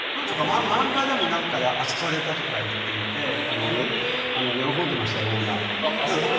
漫画でも扱われたとかいっていて喜んでましたよ、オーナー。